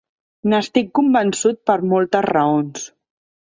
N'estic convençut per moltes raons.